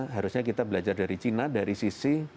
harusnya kita belajar dari cina dari sisi